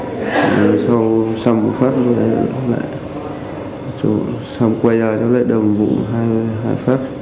rồi sau xong vụ phát chúng tôi lại đâm lại